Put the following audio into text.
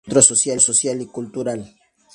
Hoy en día funciona como centro social y cultural.